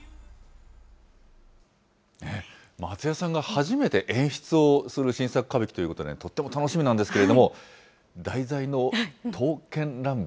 松也さんが初めて演出をする新作歌舞伎ということで、とっても楽しみなんですけれども、題材の刀剣乱舞？